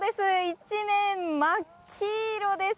一面、まっ黄色です。